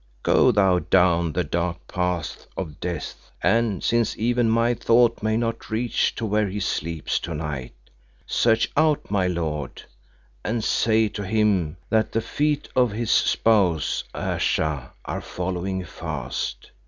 "Go thou down the dark paths of Death, and, since even my thought may not reach to where he sleeps tonight, search out my lord and say to him that the feet of his spouse Ayesha are following fast.